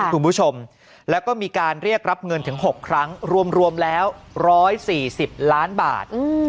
คุณผู้ชมแล้วก็มีการเรียกรับเงินถึงหกครั้งรวมรวมแล้วร้อยสี่สิบล้านบาทอืม